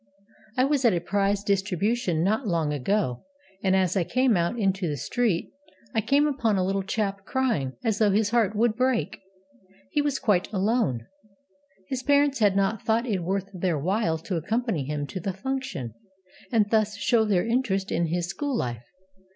I was at a prize distribution not long ago, and as I came out into the street I came upon a little chap crying as though his heart would break. He was quite alone. His parents had not thought it worth their while to accompany him to the function, and thus show their interest in his school life.